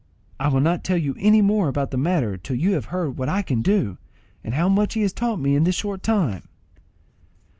"I will not tell you any more about the matter till you have heard what I can do, and how much he has taught me in this short time."